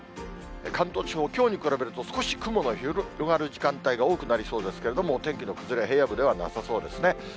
関東地方、きょうに比べると、少し雲が広がる時間帯が多くなりそうですけれども、お天気の崩れ、平野部ではなさそうですね。